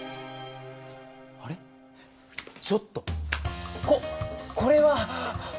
あれ⁉ちょっとここれは！